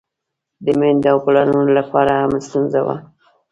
د میندو او پلرونو له پاره هم ستونزه وه.